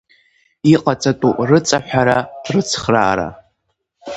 Иҟаҵатәу рыҵаҳәара, рыцхраара.